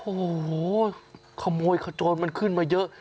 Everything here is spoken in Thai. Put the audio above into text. โอ้โหขโมยขโจรมันขึ้นมาเยอะ